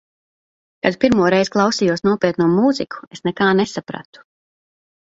Kad pirmo reizi klausījos nopietno mūziku, es nekā nesapratu.